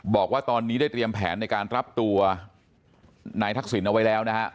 บอกว่าตอนนี้ได้เตรียมแผนในการรับตัวนายทักษิณเอาไว้แล้วนะฮะ